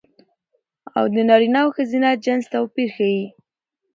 او د نرينه او ښځينه جنس توپير ښيي